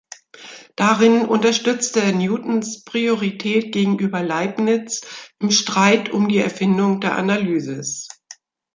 Darin unterstützte er Newtons Priorität gegenüber Leibniz im Streit um die Erfindung der Analysis.